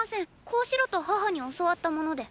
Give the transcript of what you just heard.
こうしろと母に教わったもので。